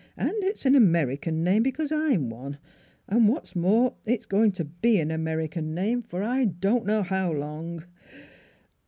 And it's an American name, because I'm one. And what's more, it's going to be an American name for I don' know how long!